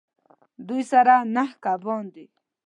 دوی سره نهه کبان دي